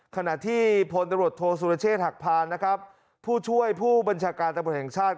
ขณะที่พลตำรวจโทษสุรเชษฐหักพานนะครับผู้ช่วยผู้บัญชาการตำรวจแห่งชาติ